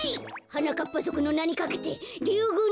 はなかっぱぞくのなにかけてリュウグウ